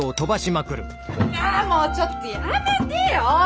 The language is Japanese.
あもうちょっとやめてよ！